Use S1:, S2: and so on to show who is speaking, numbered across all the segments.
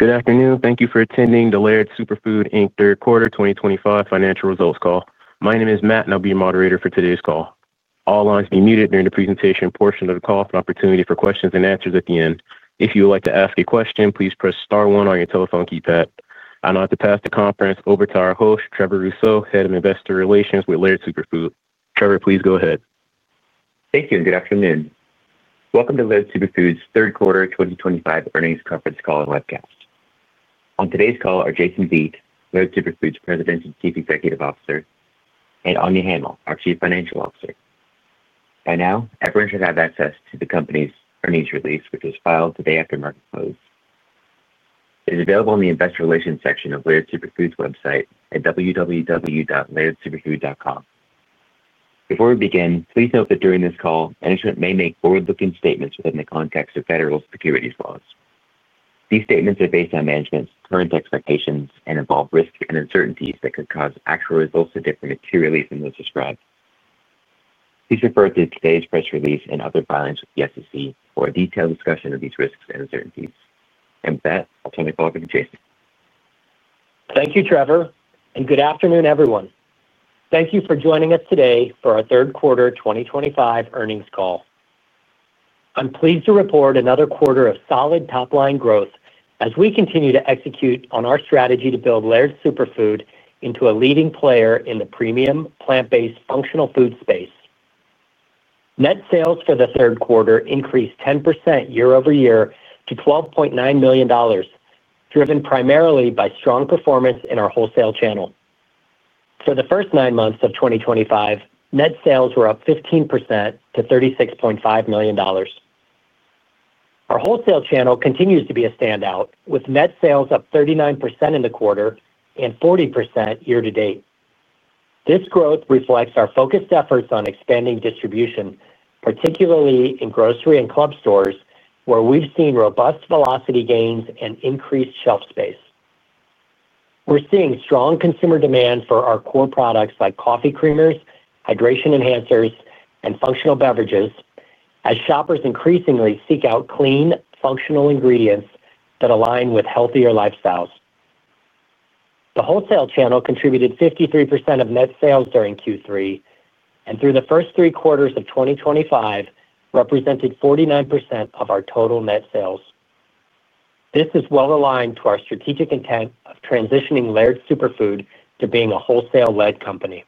S1: Good afternoon. Thank you for attending the Laird Superfood, Inc Third Quarter 2025 Financial Results Call. My name is Matt and I'll be your moderator for today's call. All lines will be muted during the presentation portion of the call for opportunity for questions and answers at the end. If you would like to ask a question, please press star one on your telephone keypad. I'd like to pass the conference over to our host, Trevor Rousseau, Head of Investor Relations with Laird Superfood. Trevor, please go ahead.
S2: Thank you and good afternoon. Welcome to Laird Superfood's Third Quarter 2025 Earnings Conference Call and Webcast. On today's call are Jason Vieth, Laird Superfood's President and Chief Executive Officer, and Anya Hamill, our Chief Financial Officer. By now everyone should have access to the company's earnings release which is filed the day after market close. It is available on the Investor Relations section of Laird Superfood's website at www.lairdsuperfood.com. Before we begin, please note that during this call, Management may make forward looking statements within the context of Federal Securities Laws. These statements are based on Management's current expectations and involve risks and uncertainties that could cause actual results to differ materially from those described. Please refer to today's press release and other filings with the SEC for a detailed discussion of these risks and uncertainties. And that, I'll turn the call over to Jason.
S3: Thank you Trevor, and good afternoon everyone. Thank you for joining us today for our Third Quarter 2025 Earnings Call. I'm pleased to report another quarter of solid top line growth as we continue to execute on our strategy to build Laird Superfood into a leading player in the premium plant-based functional food space. Net sales for the third quarter increased 10% year-over-year to $12.9 million, driven primarily by strong performance in our Wholesale channel. For the first nine months of 2025, net sales were up 15% to $36.5 million. Our Wholesale channel continues to be a standout with net sales up 39% in the quarter and 40% year-to-date. This growth reflects our focused efforts on expanding distribution, particularly in grocery and club stores where we've seen robust velocity gains and increased shelf space. We're seeing strong consumer demand for our core products like Coffee Creamers, Hydration Enhancers, and Functional Beverages as shoppers increasingly seek out clean, functional ingredients, that align with healthier lifestyles. The Wholesale channel contributed 53% of net sales during Q3 and through the first three quarters of 2025 represented 49% of our total net sales. This is well aligned to our strategic intent of transitioning Laird Superfood to being a Wholesale-led company.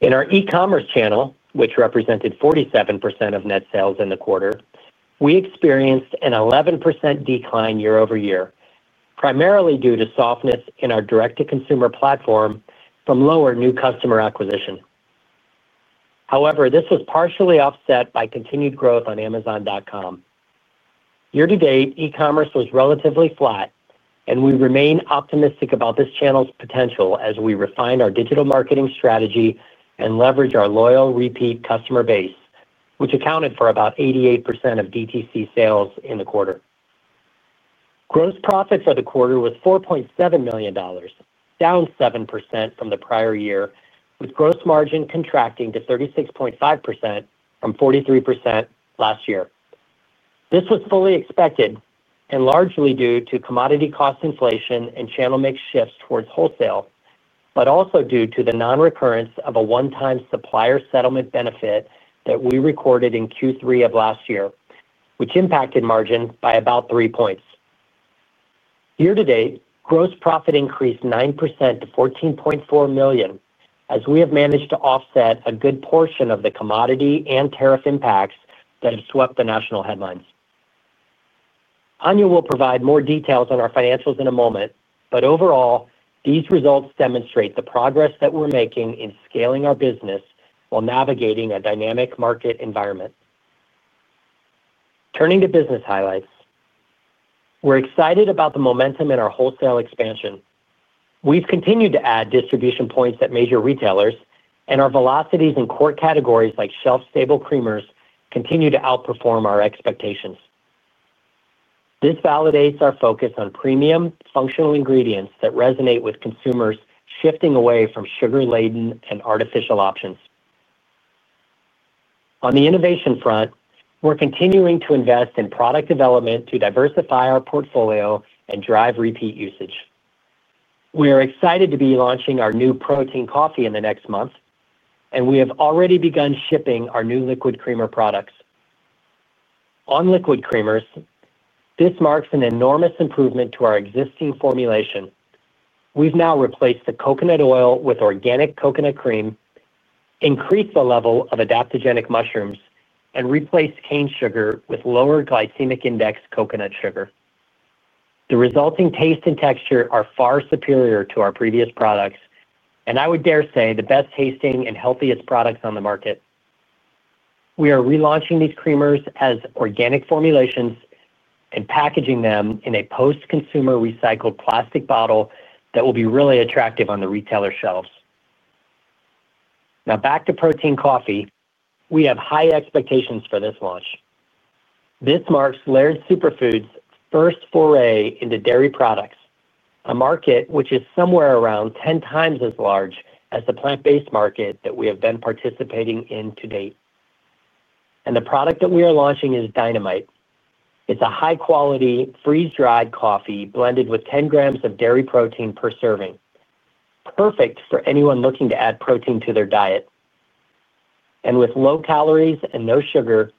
S3: In our e-commerce channel, which represented 47% of net sales in the quarter, we experienced an 11% decline year-over-year primarily due to softness in our direct-to-consumer platform and from lower new customer acquisition. However, this was partially offset by continued growth on Amazon.com. Year-to-date, e-commerce was relatively flat and we remain optimistic about this channel's potential as we refine our digital marketing strategy and leverage our loyal repeat customer base, which accounted for about 88% of DTC sales in the quarter. Gross profit for the quarter was $4.7 million, down 7% from the prior year, with gross margin contracting to 36.5% from 43% last year. This was fully expected and largely due to commodity cost inflation and channel mix shifts towards Wholesale, but also due to the non-recurrence of a one-time supplier settlement benefit that we recorded in Q3 of last year, which impacted margin by about 3 percentage points. Year-to-date gross profit increased 9% to $14.4 million as we have managed to offset a good portion of the commodity and tariff impacts that have swept the national headlines. Anya will provide more details on our financials in a moment, but overall these results demonstrate the progress that we're making in scaling our business while navigating a dynamic market environment. Turning to business highlights, we're excited about the momentum in our Wholesale expansion. We've continued to add distribution points at major retailers and our velocities in core categories like shelf stable creamers continue to outperform our expectations. This validates our focus on premium functional ingredients that resonate with consumers, shifting away from sugar laden and artificial options. On the innovation front, we're continuing to invest in product development to diversify our portfolio and drive repeat usage. We are excited to be launching our new Protein Coffee in the next month and we have already begun shipping our new Liquid Creamer products. On Liquid Creamers, this marks an enormous improvement to our existing formulation. We've now replaced the coconut oil with organic coconut cream, increased the level of adaptogenic mushrooms and replaced cane sugar with lower glycemic index coconut sugar. The resulting taste and texture are far superior to our previous products and I would dare say the best tasting and healthiest products on the market. We are relaunching these creamers as organic formulations and packaging them in a post-consumer recycled plastic bottle that will be really attractive on the retailer shelves. Now back to Protein Coffee, we have high expectations for this launch. This marks Laird Superfood's first foray into Dairy products, a market which is somewhere around 10x as large as the plant-based market that we have been participating in to date. The product that we are launching is dynamite. It is a high quality freeze-dried coffee blended with 10 g of dairy protein per serving, perfect for anyone looking to add protein to their diet and with low calories and no sugar.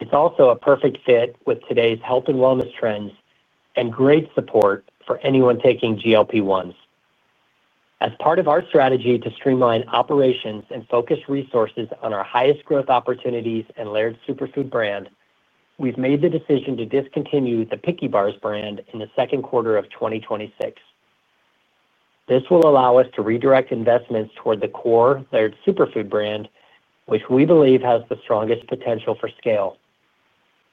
S3: It is also a perfect fit with today's health and wellness trends and great support for anyone taking GLP-1s. As part of our strategy to streamline operations and focus resources on our highest growth opportunities and Laird Superfood brand, we have made the decision to discontinue the Picky Bars brand in the second quarter of 2026. This will allow us to redirect investments toward the core Laird Superfood brand which we believe has the strongest potential for scale.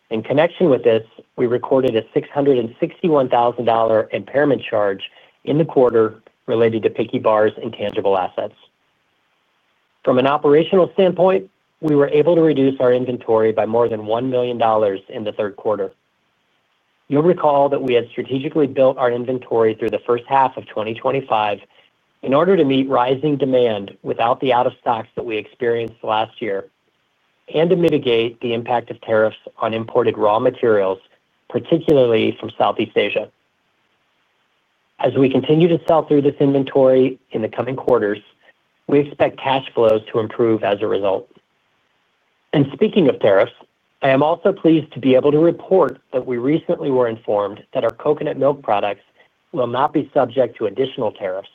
S3: In connection with this, we recorded a $661,000 impairment charge in the quarter related to Picky Bars intangible assets. From an operational standpoint, we were able to reduce our inventory by more than $1 million in the third quarter. You'll recall that we had strategically built our inventory through the first half of 2025 in order to meet rising demand without the out of stocks that we experienced last year and to mitigate the impact of tariffs on imported raw materials, particularly from Southeast Asia. As we continue to sell through this inventory in the coming quarters, we expect cash flows to improve as a result. Speaking of tariffs, I am also pleased to be able to report that we recently were informed that our coconut milk products will not be subject to additional tariffs,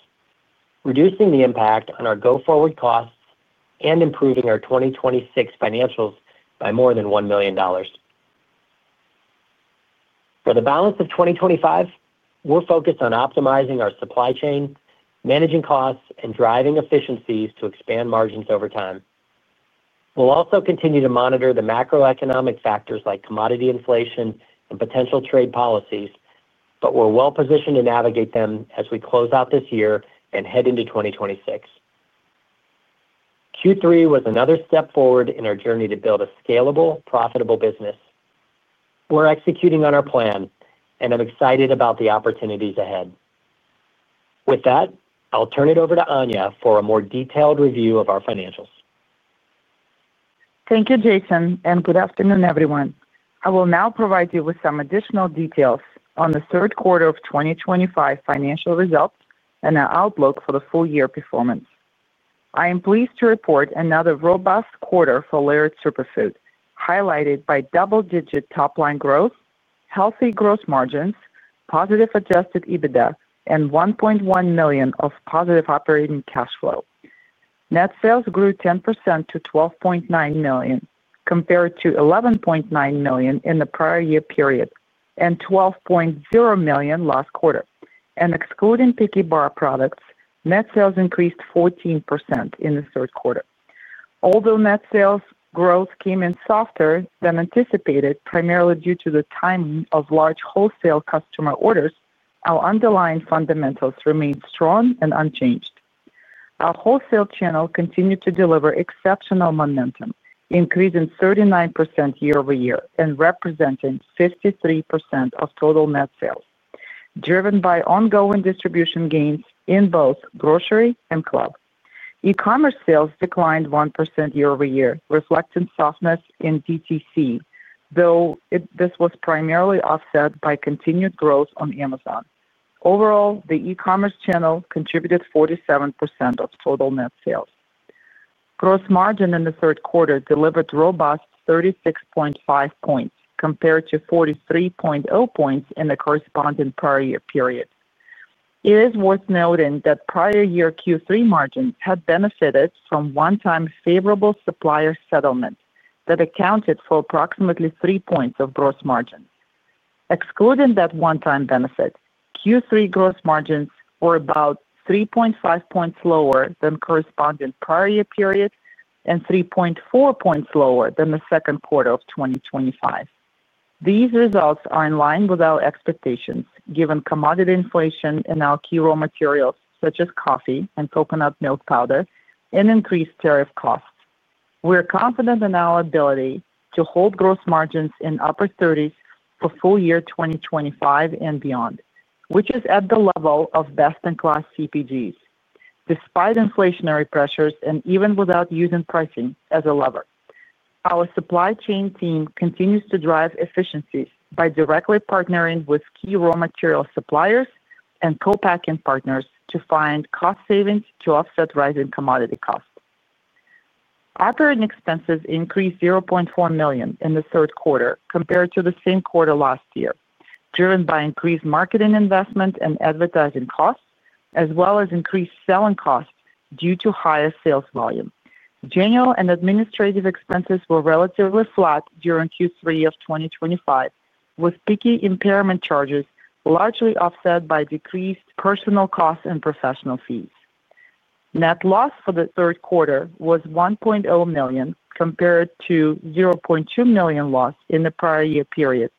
S3: reducing the impact on our go forward costs and improving our 2026 financials by more than $1 million. For the balance of 2025, we're focused on optimizing our supply chain, managing costs and driving efficiencies to expand margins over time. We'll also continue to monitor the macroeconomic factors like commodity inflation and potential trade policies, but we're well positioned to navigate them as we close out this year and head into 2026. Q3 was another step forward in our journey to build a scalable, profitable business. We're executing on our plan and I'm excited about the opportunities ahead. With that, I'll turn it over to Anya for a more detailed review of our financials.
S4: Thank you Jason and good afternoon everyone. I will now provide you with some additional details on the third quarter of 2025 financial results and our outlook for the full year performance. I am pleased to report another robust quarter for Laird Superfood highlighted by double-digit top line growth, healthy gross margins, positive adjusted EBITDA, and $1.1 million of positive operating cash flow. Net sales grew 10% to $12.9 million compared to $11.9 million in the prior year period and $12.0 million last quarter. Excluding Picky Bars products, net sales increased 14% in the third quarter. Although net sales growth came in softer than anticipated primarily due to the timing of large wholesale customer orders, our underlying fundamentals remain strong and unchanged. Our wholesale channel continued to deliver exceptional momentum, increasing 39% year-over-year and representing 53% of total net sales, driven by ongoing distribution gains in both Grocery and Club. E-commerce sales declined 1% year-over-year, reflecting softness in DTC, though this was primarily offset by continued growth on Amazon. Overall, the e-commerce channel contributed 47% of total net sales. Gross margin in the third quarter delivered a robust 36.5 percentage points compared to 43.0 percentage points in the corresponding prior year period. It is worth noting that prior year Q3 margins had benefited from a one-time favorable supplier settlement that accounted for approximately 3 percentage points of gross margin. Excluding that one-time benefit, Q3 gross margins were about 3.5 percentage points lower than the corresponding prior year period and 3.4 percentage points lower than the second quarter of 2025. These results are in line with our expectations. Given commodity inflation in our key raw materials such as coffee and coconut milk powder and increased tariff costs, we're confident in our ability to hold gross margins in upper 30s for full year 2025 and beyond, which is at the level of best in class CPGs. Despite inflationary pressures and even without using pricing as a lever, our Supply Chain Team continues to drive efficiencies by directly partnering with key raw material suppliers and co-packing partners to find cost savings to offset rising commodity costs. Operating expenses increased $0.4 million in the third quarter compared to the same quarter last year driven by increased marketing investment and advertising costs, as well as increased selling costs due to higher sales volume. General and Administrative expenses were relatively flat during Q3 of 2025 with Picky Bars impairment charges largely offset by decreased personnel costs and professional fees. Net loss for the third quarter was $1.0 million compared to $0.2 million loss in the prior year period.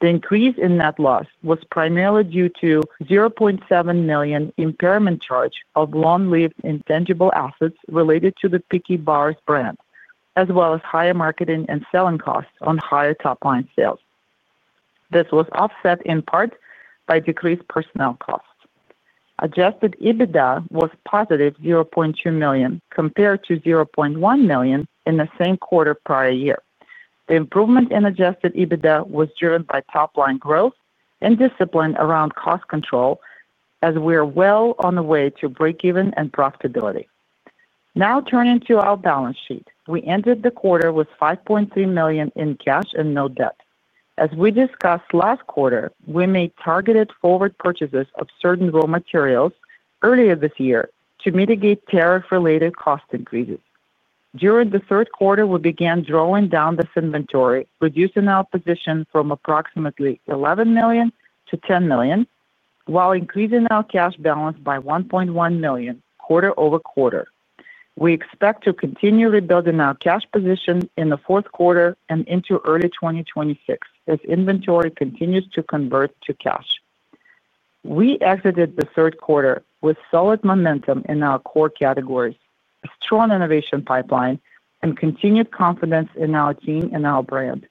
S4: The increase in net loss was primarily due to a $0.7 million impairment charge of long lived intangible assets related to the Picky Bars brand as well as higher marketing and selling costs on higher top line sales. This was offset in part by decreased personnel costs. Adjusted EBITDA was +$0.2 million compared to $0.1 million in the same quarter prior year. The improvement in adjusted EBITDA was driven by top line growth and discipline around cost control as we are well on the way to breakeven and profitability now. Turning to our balance sheet, we ended the quarter with $5.3 million in cash and no debt. As we discussed last quarter, we made targeted forward purchases of certain raw materials earlier this year to mitigate tariff related cost increases. During the third quarter we began drawing down this inventory, reducing our position from approximately $11 million to $10 million while increasing our cash balance by $1.1 million quarter-over-quarter. We expect to continue rebuilding our cash position in the fourth quarter and into early 2026 as inventory continues to convert to cash. We exited the third quarter with solid momentum in our core categories, strong innovation pipeline, and continued confidence in our team and our brand.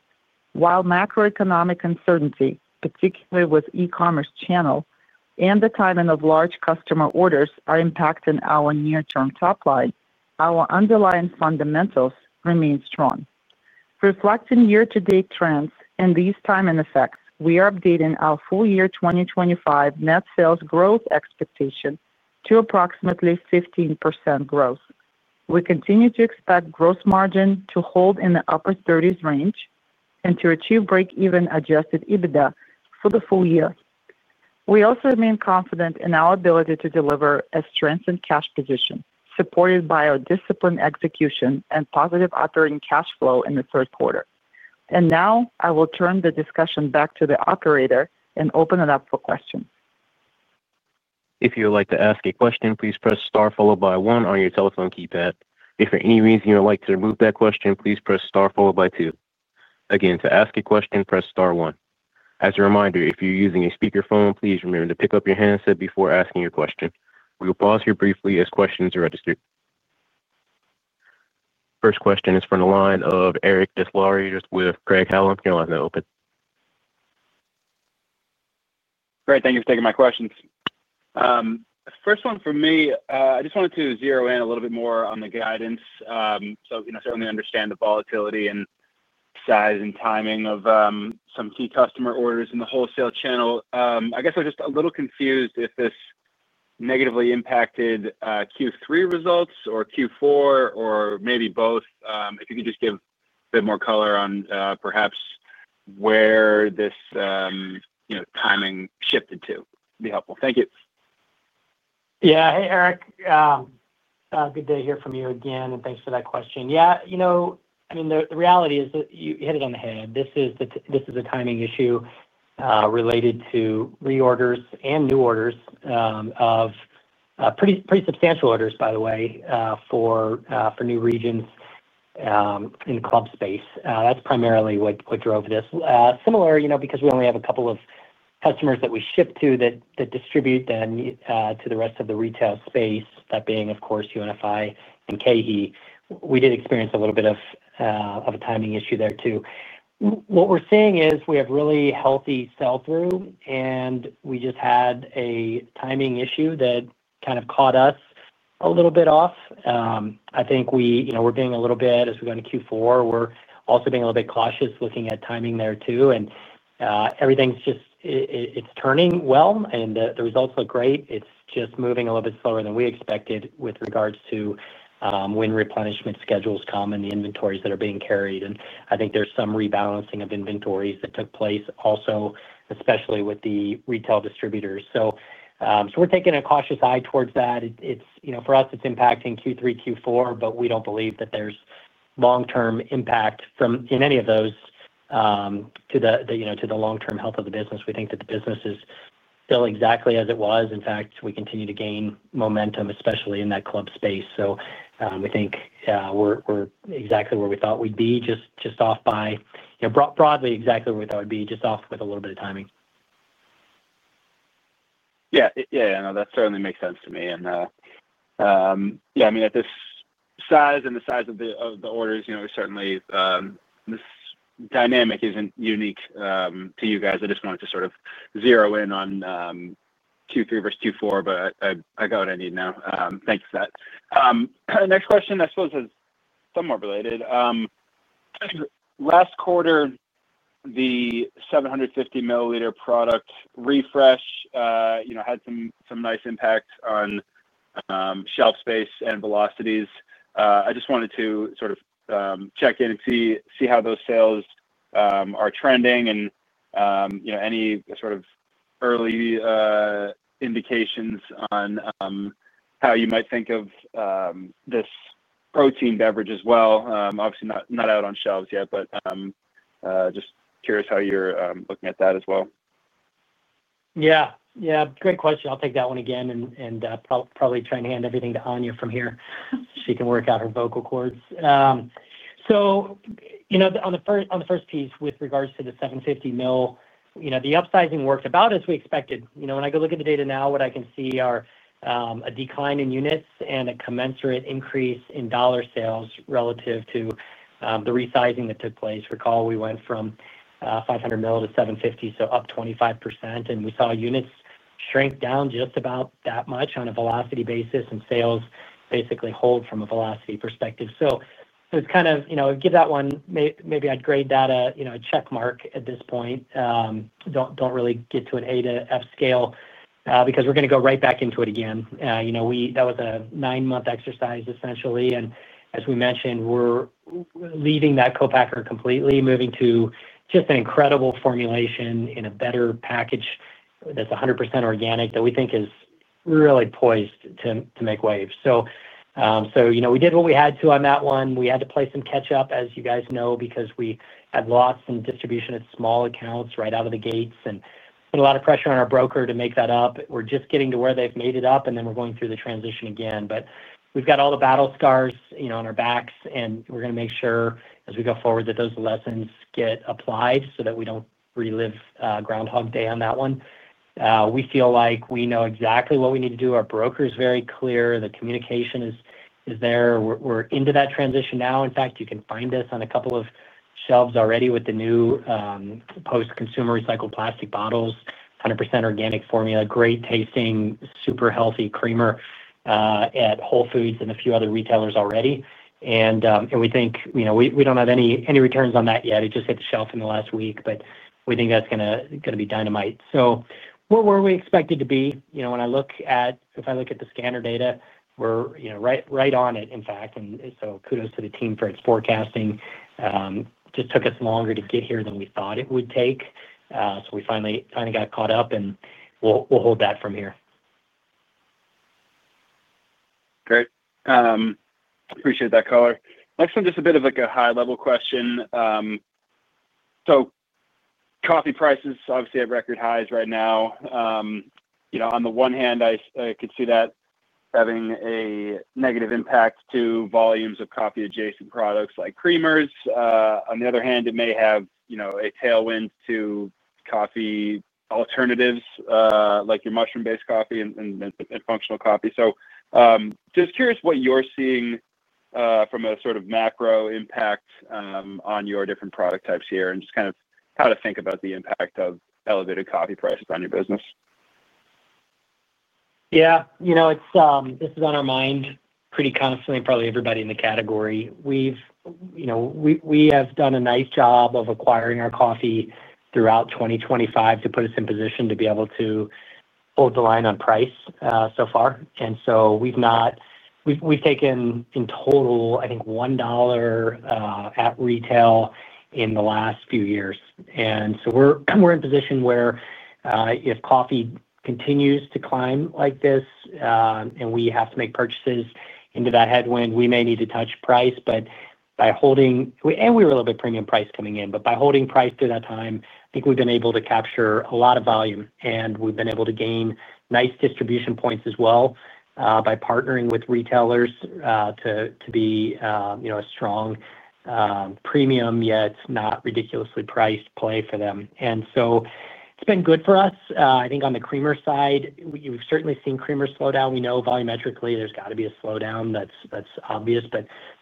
S4: While macroeconomic uncertainty, particularly with the e-commerce channel and the timing of large customer orders, are impacting our near term top line, our underlying fundamentals remain strong. Reflecting year-to-date trends and these timing effects, we are updating our full year 2025 net sales growth expectation to approximately 15% growth. We continue to expect gross margin to hold in the upper 30% range and to achieve break even adjusted EBITDA for the full year. We also remain confident in our ability to deliver a strengthened cash position supported by our disciplined execution and positive operating cash flow in the third quarter and now I will turn the discussion back to the operator and open it up for questions.
S1: If you would like to ask a question, please press star followed by one on your telephone keypad. If for any reason you would like to remove that question, please press star followed by two. Again, to ask a question, press star one. As a reminder, if you're using a speakerphone, please remember to pick up your handset before asking your question. We will pause here briefly as questions are registered. First question is from the line of Eric Des Lauriers with Craig-Hallum. You're on that open.
S5: Great. Thank you for taking my questions. First one for me, I just wanted to zero in a little bit more on the guidance. You know, certainly understand the volatility and size and timing of some key customer orders in the Wholesale channel. I guess I was just a little confused if this negatively impacted Q3 results or Q4 or maybe both. If you could just give a bit more color on perhaps where this, you know, timing shifted, that would be helpful. Thank you.
S3: Yeah, hey Eric, good to hear from you again and thanks for that question. Yeah. You know, I mean, the reality is that you hit it on the head. This is, this is a timing issue related to reorders and new orders of pretty, pretty substantial orders, by the way, for new regions in Club space. That's primarily what drove this similar, you know, because we only have a couple of customers that we ship to, that distribute then to the rest of the retail space. That being, of course, UNFI and KeHE. We did experience a little bit of a timing issue there too. What we're seeing is we have really healthy sell-through and we just had a timing issue that kind of caught us a little bit off. I think we, you know, we're being a little bit, as we go into Q4, we're also being a little bit cautious looking at timing there too. Everything's just, it's turning well and the results look great. It's just moving a little bit slower than we expected with regards to when replenishment schedules come and the inventories that are being carried. I think there's some rebalancing of inventories that took place also, especially with the retail distributors. We're taking a cautious eye towards that. For us, it's impacting Q3, Q4, but we don't believe that there's long term impact from, in any of those to the, you know, to the long term health of the business. We think that the business is still exactly as it was. In fact, we continue to gain momentum, especially in that Club space. We think we're exactly where we thought we'd be, just off by, broadly exactly where we thought we'd be, just off with a little bit of timing.
S5: Yeah, yeah, that certainly makes sense to me. Yeah, I mean at this size and the size of the orders, you know, certainly this dynamic isn't unique to you guys. I just wanted to sort of zero in on Q3 versus Q4, but I got what I need now. Thanks for that. Next question, I suppose is somewhat related. Last quarter the 750 ml product refresh, you know, had some nice impact on shelf space and velocities. I just wanted to sort of check in and see how those sales are trending and, you know, any sort of early indications on how you might think of this protein beverage as well. Obviously not out on shelves yet, but just curious how you're looking at that as well.
S3: Yeah, yeah, great question. I'll take that one again and probably try and hand everything to Anya from here, she can work out her vocal cords. So, you know, on the first piece with regards to the 750 ml, you know, the upsizing worked about as we expected. You know, when I go look at the data now, what I can see are a decline in units and a commensurate increase in dollar sales relative to the resizing that took place. Recall, we went from 500 ml to 750 ml, so up 25%, and we saw units shrink down just about that much on a velocity basis and sales basically hold from a velocity perspective. So it's kind of, you know, give that one maybe. I'd grade that, you know, a check mark at this point. Don't really get to an A to F scale because we're going to go right back into it again. You know, that was a nine month exercise essentially and as we mentioned we're leaving that co packer completely, moving to just an incredible formulation in a better package that's 100% organic that we think is really poised to make waves. You know, we did what we had to on that one. We had to play some catch up as you guys know because we had lots and distribution at small accounts right out of the gates and put a lot of pressure on our broker to make that up. We're just getting to where they've made it up and then we're going through the transition again. We have all the battle scars on our backs and we're going to make sure as we go forward that those lessons get applied so that we do not relive Groundhog Day on that one. We feel like we know exactly what we need to do. Our broker is very clear, the communication is there. We are into that transition now. In fact, you can find us on a couple of shelves already with the new post-consumer recycled plastic bottles, 100% organic formula, great tasting, super healthy creamer at Whole Foods and a few other retailers already. We think, you know, we do not have any returns on that yet. It just hit the shelf in the last week but we think that is going to be dynamite. Where we expected to be, you know, when I look at, if I look at the scanner data, we're, you know, right, right on it, in fact and so kudos to the team for its forecasting. Just took us longer to get here than we thought it would take. We finally kind of got caught up and hold that from here.
S5: Great. Appreciate that color. Next one, just a bit of like a high level question. Coffee prices obviously have record highs right now. You know, on the one hand I could see that having a negative impact to volumes of coffee adjacent products like Creamers. On the other hand, it may have, you know, a tailwind to coffee alternatives like your mushroom based coffee and functional coffee. Just curious what you're seeing from a sort of macro impact on your different product types here and just kind of how to think about the impact of elevated coffee prices on your business.
S3: Yeah, you know, it's, this is on our mind pretty constantly. Probably everybody in the category, we've, you know, we have done a nice job of acquiring our coffee throughout 2025 to put us in position to be able to hold the line on price so far. We've not, we've taken in total, I think $0.50 at retail in the last few years. We're in position where if coffee continues to climb like this and we have to make purchases into that headwind, we may need to touch price. By holding, and we were a little bit premium price coming in, but by holding price through that time, I think we've been able to capture a lot of volume and we've been able to gain nice distribution points as well by partnering with retailers to be, you know, a strong premium, yet not ridiculously priced play for them. It's been good for us I think on the Creamer side we've certainly seen Creamer slowdown. We know volumetrically there's got to be a slowdown, that's obvious.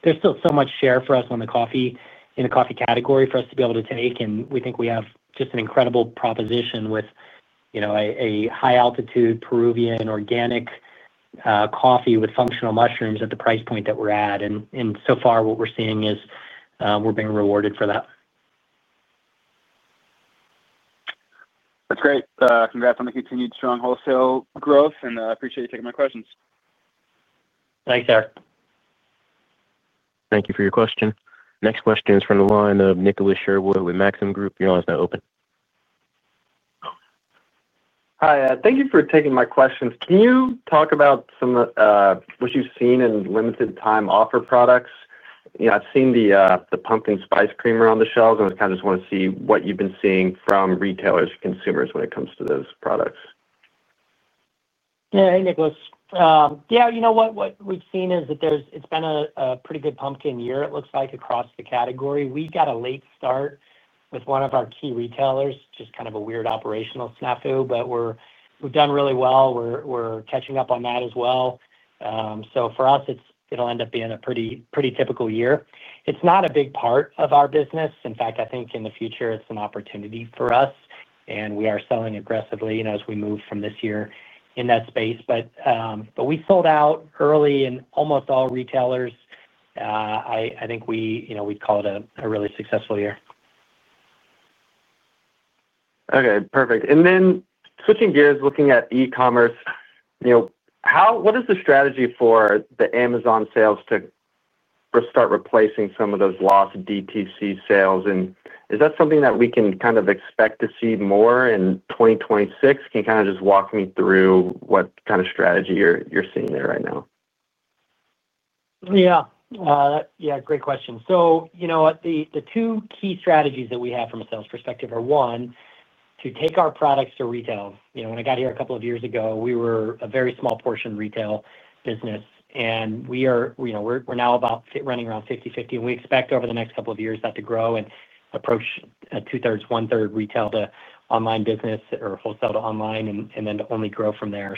S3: There's still so much share for us on the Coffee category for us to be able to take. We think we have just an incredible proposition with, you know, a high altitude Peruvian organic coffee with functional mushrooms at the price point that we're at. So far what we're seeing is we're being rewarded for that.
S5: That's great. Congrats on the continued strong Wholesale growth and I appreciate you taking my questions.
S3: Thanks, Eric.
S1: Thank you for your question. Next question is from the line of Nicholas Sherwood with Maxim Group. Your line is open.
S6: Hi. Thank you for taking my questions. Can you talk about some what you've seen in limited time offer products? You know, I've seen the Pumpkin Spice Creamer on the shelves and I kind of just want to see what you've been seeing from retailers, consumers when it comes to those products.
S3: Hey, Nicholas. Yeah, you know what, what we've seen is that there's, it's been a pretty good Pumpkin year, it looks like across the category. We got a late start with one of our key retailers, just kind of a weird operational snafu. We're catching up on that as well. For us, it'll end up being a pretty, pretty typical year. It's not a big part of our business. In fact, I think in the future it's an opportunity for us and we are selling aggressively as we move from this year in that space. We sold out early in almost all retailers. I think we'd call it a really successful year.
S6: Okay, perfect. Switching gears, looking at e-commerce. What is the strategy for the Amazon sales to start replacing some of those lost DTC sales? Is that something that we can kind of expect to see more in 2026? Just walk me through what kind of strategy you're seeing there right now.
S3: Yeah, yeah, great question. You know, the two key strategies that we have from a sales perspective are, one, to take our products to retail. You know, when I got here a couple of years ago we were a very small portion retail business and we are, you know, we're now about running around 50/50 and we expect over the next couple of years that to grow and approach two thirds, one third retail-to-online business or wholesale-to-online and then to only grow from there.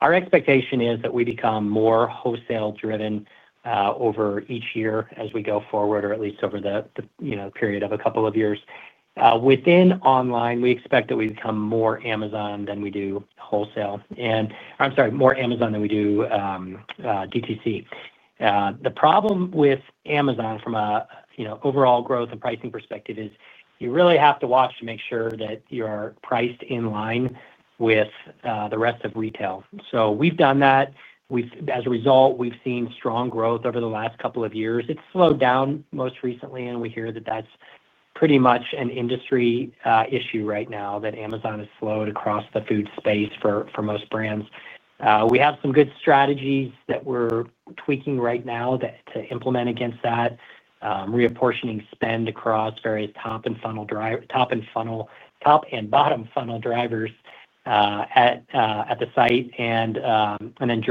S3: Our expectation is that we become more wholesale driven over each year as we go forward or at least over the period of a couple of years. Within online, we expect that we become more Amazon than we do wholesale and, I'm sorry, more Amazon than we do DTC. The problem with Amazon from a, you know, overall growth and pricing perspective is you really have to watch to make sure that you're priced in line with the rest of retail. So we've done that. As a result, we've seen strong growth over the last couple of years. It's slowed down most recently and we hear that that's pretty much an industry issue right now that Amazon has slowed across the food space for most brands. We have some good strategies that we're tweaking right now to implement against that, reapportioning spend across various top and bottom funnel drivers at the site and then,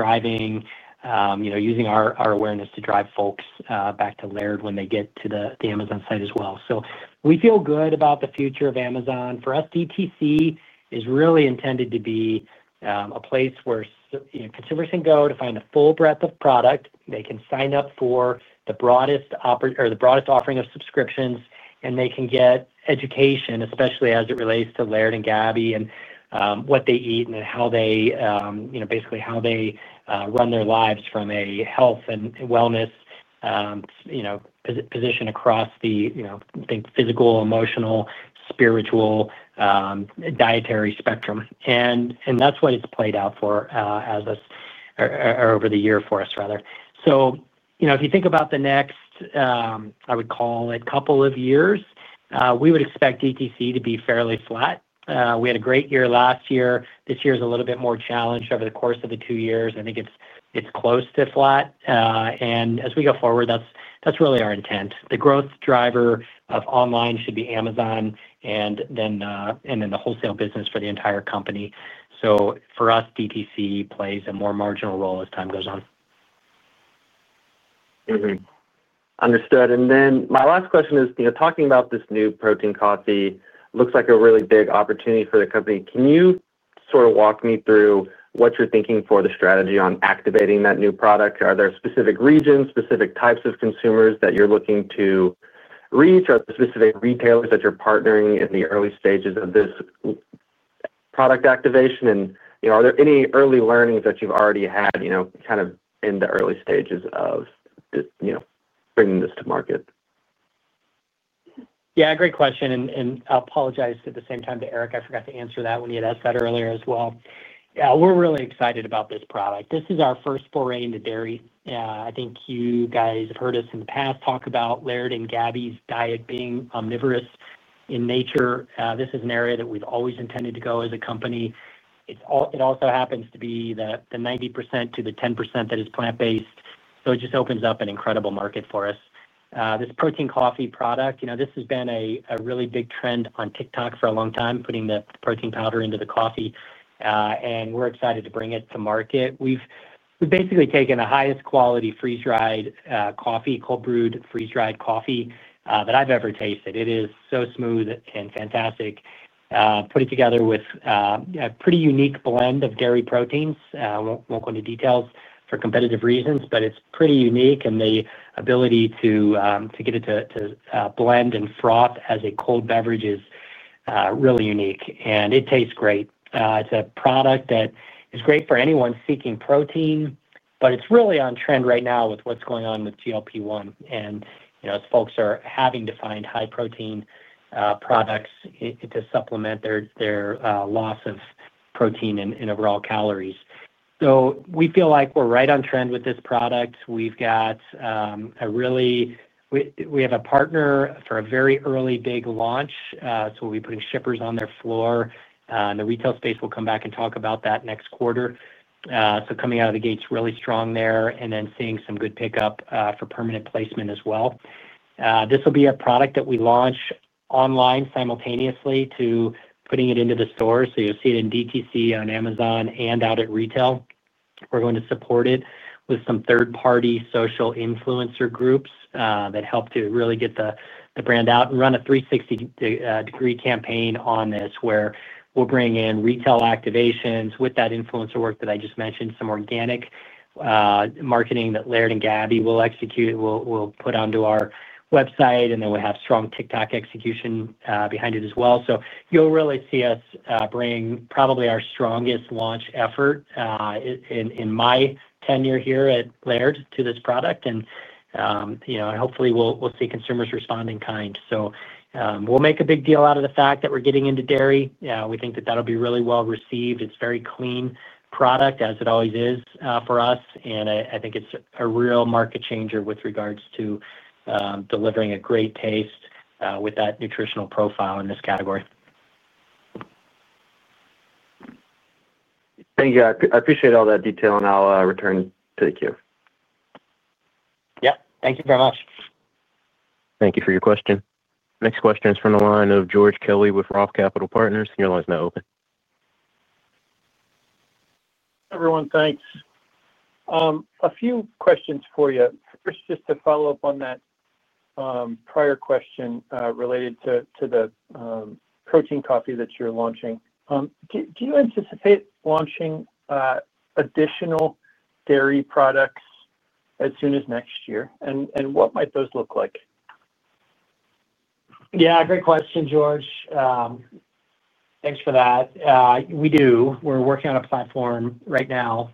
S3: you know, using our awareness to drive folks back to Laird when they get to the Amazon site as well. We feel good about the future of Amazon. For us, DTC is really intended to be a place where consumers can go to find a full breadth of product. They can sign up for the broadest offering of subscriptions. They can get education, especially as it relates to Laird and Gabby and what they eat and how they, you know, basically how they run their lives from a health and wellness, you know, position across the, you know, physical, emotional, spiritual, dietary spectrum. That is what it has played out for over the year for us. You know, if you think about the next, I would call it, couple of years, we would expect DTC to be fairly flat. We had a great year last year. This year is a little bit more challenged. Over the course of the two years, I think it is close to flat. As we go forward, that's really our intent. The growth driver of online should be Amazon and then the Wholesale business for the entire company. For us, DTC plays a more marginal role as time goes on.
S6: Understood. Then my last question is, you know, talking about this new Protein Coffee looks like a really big opportunity for the company. Can you sort of walk me through what you're thinking for the strategy on activating that new product? Are there specific regions, specific types of consumers that you're looking to reach? Are there specific retailers that you're partnering in the early stages of this product activation and, you know, are there any early learnings that you've already had, you know, kind of in the early stages of, you know, bringing this to market?
S3: Yeah, great question. I apologize at the same time to Eric. I forgot to answer that when he had asked that earlier as well. We're really excited about this product. This is our first foray into Dairy. I think you guys have heard us in the past talk about Laird and Gabby's diet being omnivorous in nature. This is an area that we've always intended to go as a company. It also happens to be the 90% to the 10% that is plant-based. It just opens up an incredible market for us. This Protein Coffee product, you know, this has been a really big trend on TikTok for a long time, putting the protein powder into the coffee, and we're excited to bring it to market. We've basically taken the highest quality freeze-dried coffee, cold brewed freeze-dried coffee that I've ever tasted. It is so smooth and fantastic. Put it together with a pretty unique blend of dairy proteins. I will not go into details for competitive reasons, but it is pretty unique. The ability to get it to blend and froth as a cold beverage is really unique and it tastes great. It is a product that is great for anyone seeking protein, but it's really on trend right now with what's going on with GLP-1. It's, and as folks are having to find high protein products to supplement their loss of protein and overall calories. We feel like we're right on trend with this product. We've got a really, we have a partner for a very early big launch. We'll be putting shippers on their floor and the retail space. We'll come back and talk about that next quarter. Coming out of the gates really strong there and then seeing some good pickup for permanent placement as well. This will be a product that we launch online simultaneously to putting it into the store. You'll see it in DTC, on Amazon, and out at retail. We're going to support it with some third party social influencer groups that help to really get the brand out and run a 360 degree campaign on this where we'll bring in retail activations with that influencer work that I just mentioned. Some organic marketing that Laird and Gabby will execute will put onto our website and then we have strong TikTok execution behind it as well. You'll really see us bring probably our strongest launch effort in my tenure here at Laird to this product. You know, hopefully we'll see consumers respond in kind. We'll make a big deal out of the fact that we're getting into dairy. We think that that'll be really well received. It's very clean product as it always is for us, and I think it's a real market changer with regards to delivering a great taste with that nutritional profile in this category.
S6: Thank you. I appreciate all that detail and I'll return to the queue.
S3: Yep. Thank you very much.
S1: Thank you for your question. Next question is from the line of George Kelly with ROTH Capital Partners. Your line's now open.
S7: Everyone thanks. A few questions for you. Just to follow up on that prior question related to the Protein Coffee that you're launching. Do you anticipate launching additional dairy products as soon as next year, and what might those look like?
S3: Yeah, great question, George. Thanks for that. We do. We're working on a platform right now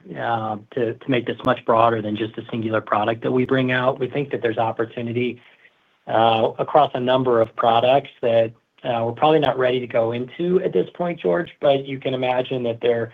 S3: to make this much broader than just a singular product that we bring out. We think that there's opportunity across a number of products that we're probably not ready to go into at this point, George, but you can imagine that there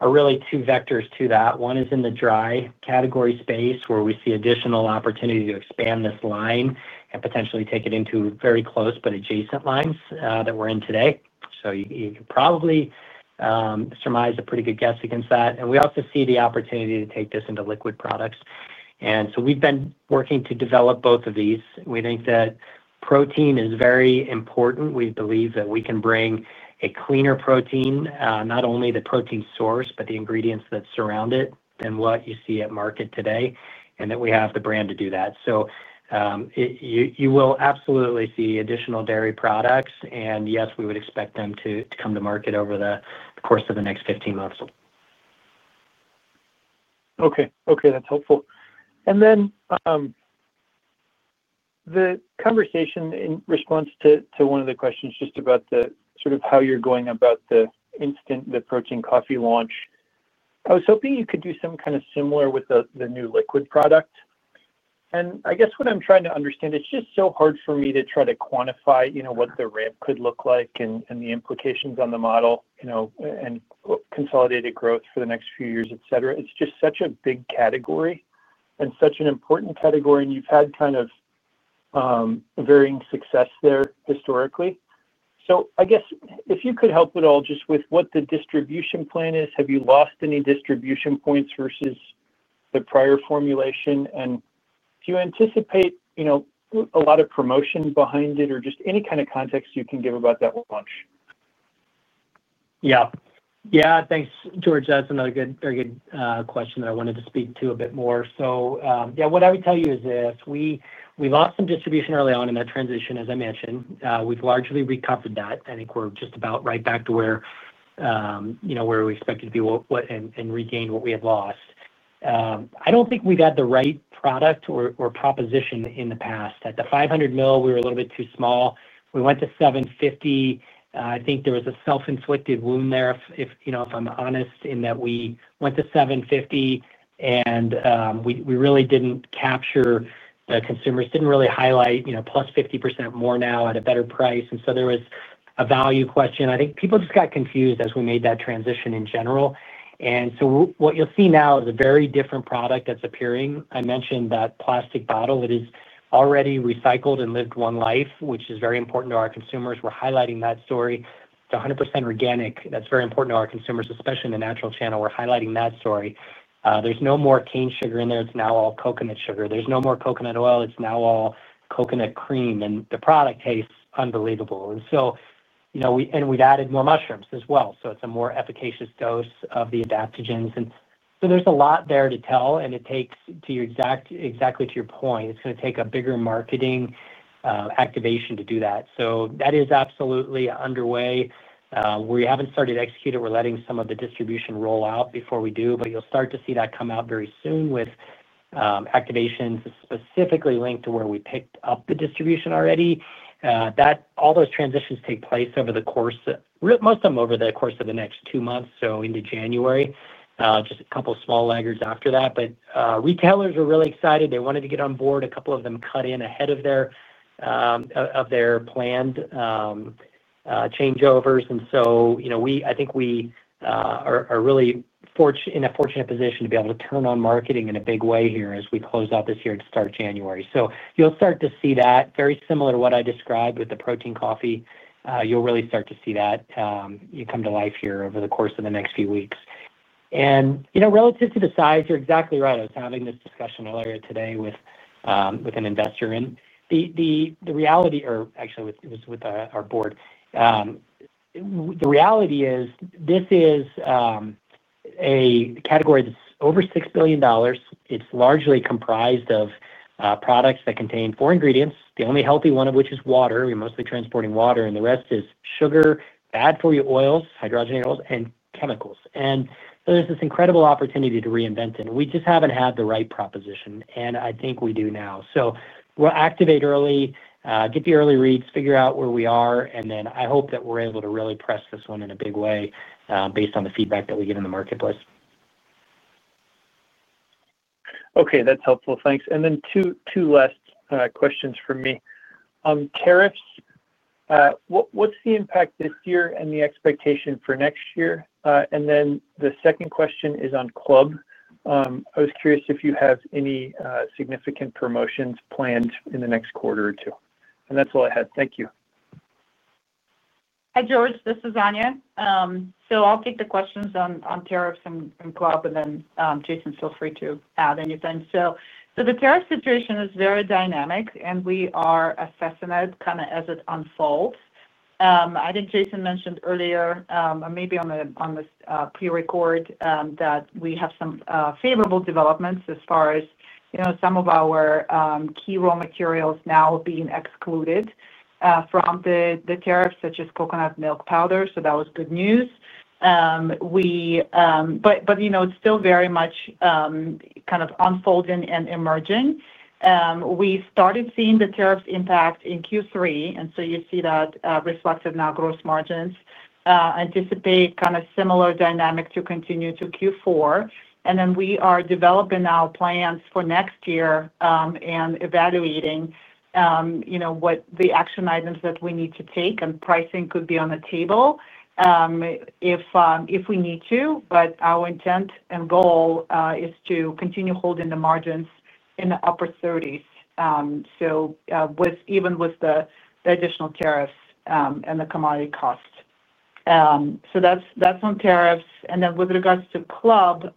S3: are really two vectors to that. One is in the dry category space where we see additional opportunity to expand this line and potentially take it into very close but adjacent lines that we're in today. You can probably surmise a pretty good guess against that. We also see the opportunity to take this into liquid products. We've been working to develop both of these. We think that protein is very important. We believe that we can bring a cleaner protein, not only the protein source but the ingredients that surround it, than what you see at market today and that we have the brand to do that. You will absolutely see additional dairy products. Yes, we would expect them to come to market over the course of the next 15 months.
S7: Okay, okay, that's helpful. And then the conversation in response to one of the questions just about the sort of how you're going about the instant the Protein Coffee launch. I was hoping you could do some kind of similar with the new liquid product. I guess what I'm trying to understand, it's just so hard for me to try to quantify, you know, what the ramp could look like and the implications on the model, you know, and consolidated growth for the next few years, et cetera. It's just such a big category and such an important category. You've had kind of varying success there historically. I guess if you could help at all just with what the distribution plan is. Have you lost any distribution points versus the prior formulation? Do you anticipate, you know, a lot of promotion behind it or just any kind of context you can give about that launch?
S3: Yeah, yeah, thanks George. That's another good, very good question that I wanted to speak to a bit more. Yeah, what I would tell you is this. We lost some distribution early on in that transition. As I mentioned, we've largely recovered that. I think we're just about right back to where, you know, where we expected to be and regain what we had lost. I don't think we've had the right product or proposition in the past. At the 500 ml we were a little bit too small. We went to 750 ml. I think there was a self-inflicted wound there, if you know, if I'm honest in that we went to 750 ml and we really didn't capture the consumers, didn't really highlight, you know, +50% more now at a better price. There was a value question. I think people just got confused as we made that transition in general. What you'll see now is a very different product that's appearing. I mentioned that plastic bottle that is already recycled and lived one life, which Is very important to our consumers. We're highlighting that story to 100% organic. That's very important to our consumers, especially in the natural channel. We're highlighting that story. There's no more cane sugar in there. It's now all coconut sugar. There's no more coconut oil. It's now all coconut cream. And the product tastes unbelievable. And so, you know, and we've added more mushrooms as well. So it's a more efficacious dose of the adaptogens. And so there's a lot there to tell. It takes exactly to your point, it's going to take a bigger marketing activation to do that. That is absolutely underway. We haven't started executing. We're letting some of the distribution roll out before we do. You'll start to see that come out very soon with activations specifically linked to where we picked up the distribution already that all those transitions take place over the course, most of them, over the course of the next two months. Into January, just a couple small laggards after that. Retailers are really excited. They wanted to get on board. A couple of them cut in ahead of their planned changeovers. You know, I think we are really fortunate, in a fortunate position to be able to turn on marketing in a big way here as we close out this year to start January. You'll start to see that very similar to what I described with the Protein Coffee. You'll really start to see that come to life here over the course of the next few weeks. You know, relative to the size, you're exactly right. I was having this discussion earlier today with an Investor and the reality, or actually it was with our Board. The reality is this is a category that's over $6 billion. It's largely comprised of products that contain four ingredients, the only healthy one of which is water. We're mostly transporting water and the rest is sugar, bad for you oils, hydrogenated oils and chemicals. There is this incredible opportunity to reinvent it. We just have not had the right proposition and I think we do now. We will activate early, get the early reads, figure out where we are and then I hope that we are able to really press this one in a big way based on the feedback that we get in the marketplace.
S7: Okay, that's helpful, thanks. Two last questions for me. Tariffs, what's the impact this year and the expectation for next year? The second question is on Club. I was curious if you have any significant promotions planned in the next quarter or two. That's all I had. Thank you.
S4: Hi, George, this is Anya. I'll take the questions on tariffs and Club, and then Jason, feel free to add anything. The tariffs, our situation is very dynamic and we are assessing it kind Of as it unfolds. I think Jason mentioned earlier maybe on this prerecord that we have some favorable developments as far as, you know, some of our key raw materials now being excluded from the tariffs, such as coconut milk powder. That was good news. You know, it's still very much kind of unfolding and emerging. We started seeing the tariffs impact in Q3 and so you see that reflective Now gross margins anticipate kind of similar dynamic to continue to Q4. And then we are developing our plans for next year and evaluating, you know, what the action items that we need to take and pricing could be on the table if, if we need to. Our intent and goal is to continue holding the margins in the upper 30s, even with the additional tariffs and the commodity cost. That's on tariffs. With regards to Club,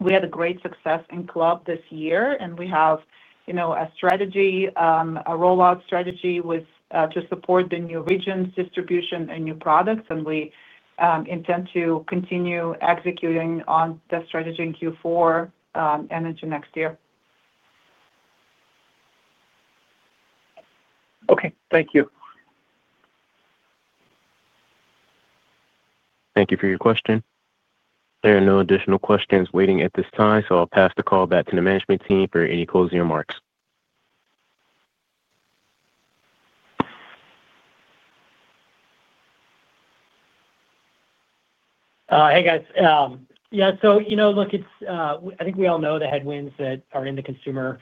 S4: we had great success in Club this year and we have, you know, a strategy, a rollout strategy to support the new regions, distribution, and new products We intend to continue executing on that strategy in Q4 and into next year.
S7: Okay, thank you.
S1: Thank you for your question. There are no additional questions waiting at this time. I'll pass the call back to the Management Team for any closing remarks.
S3: Hey, guys. Yeah, so, you know, look, it's. I think we all know the headwinds that are in the consumer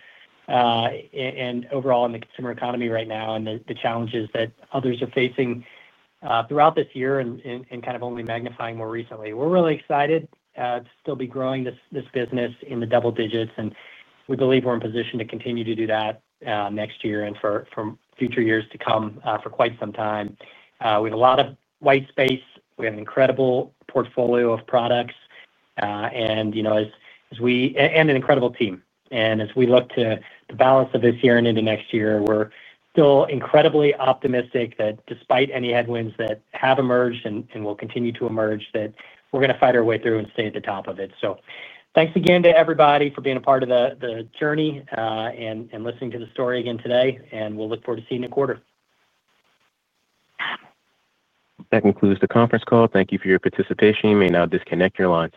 S3: and overall in the consumer economy right now and the challenges that others are facing throughout this year and kind of only magnifying more recently. We're really excited to still be growing this business in the double-digits and we believe we're in position to continue to do that next year and for future years to come for quite some time with a lot of white space. We have an incredible portfolio of products and you know, as we an incredible team and as we. Look to the balance of this year and into next year, we're still incredibly optimistic that despite any headwinds that have emerged and will continue to emerge that we're going to fight our way through and stay at the top of it. Thanks again to everybody for being a part of the journey and listening to the story again today. We'll look forward to seeing a quarter.
S1: That concludes the conference call. Thank you for your participation. You may now disconnect your lines.